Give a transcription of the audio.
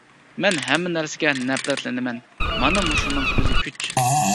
مەن ھەممە نەرسىگە نەپرەتلىنىمەن، مانا مۇشۇنىڭ ئۆزى كۈچ!